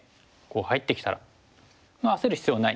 入ってきたら焦る必要ないです。